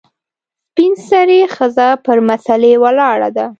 سپین سرې ښځه پر مسلې ولاړه ده .